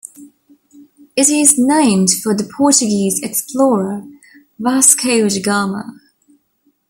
It is named for the Portuguese explorer Vasco da Gama.